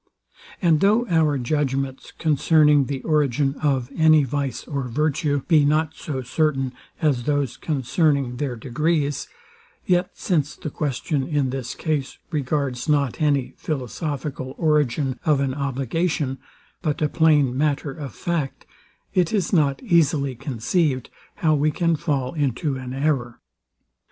And though our judgments concerning the origin of any vice or virtue, be not so certain as those concerning their degrees; yet, since the question in this case regards not any philosophical origin of an obligation, but a plain matter of fact, it is not easily conceived how we can fall into an error.